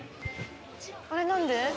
あれ何で？